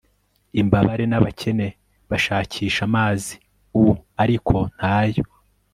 Imbabare n abakene bashakisha amazi u ariko nta yo